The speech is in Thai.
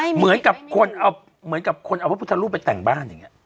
เหมือนกับคนเอาพระพุทธรูปไปแต่งบ้านอย่างนี้